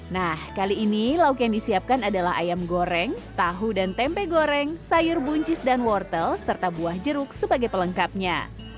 nah kali ini lauk yang disiapkan adalah ayam goreng tahu dan tempe goreng sayur buncis dan wortel serta buah jeruk sebagai pelengkapnya